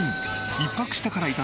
１泊したから頂け